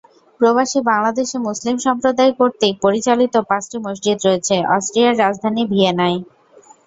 প্রবাসী বাংলাদেশি মুসলিম সম্প্রদায় কর্তৃক পরিচালিত পাঁচটি মসজিদ রয়েছে অস্ট্রিয়ার রাজধানী ভিয়েনায়।